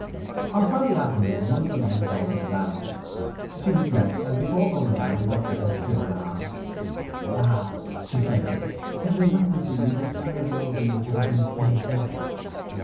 On Friday afternoon one of the men brought it round. She was dressed, and before going down looked at her shrivelled arm. 'Ah!' she said to it, 'if it had not been for you this terrible ordeal would have been saved me!